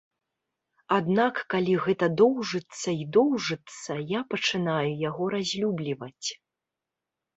Аднак калі гэта доўжыцца і доўжыцца, я пачынаю яго разлюбліваць.